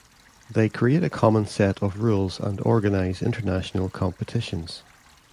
They create a common set of rules and organise international competitions.